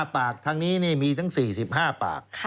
ปากทางนี้มีทั้ง๔๕ปาก